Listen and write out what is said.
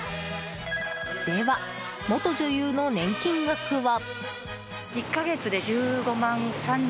では、元女優の年金額は。